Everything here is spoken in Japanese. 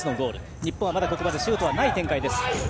日本はまだここまでシュートはない展開。